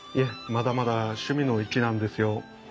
まだまだ趣味の域なんですよ。